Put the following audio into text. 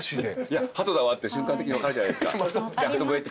いやハトだわって瞬間的に分かるじゃないすか鳩笛って。